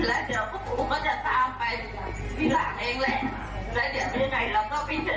แม่ก็มาเป็นแม่ของหนูอีกนะแม่นะ